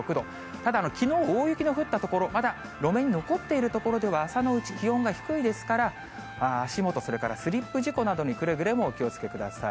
ただ、きのう大雪の降った所、まだ路面に残っている所では、朝のうち、気温が低いですから、足元、それからスリップ事故などにくれぐれもお気をつけください。